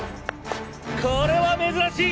これは珍しい！